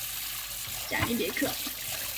贾尼别克。